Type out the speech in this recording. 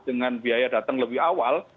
dengan biaya datang lebih awal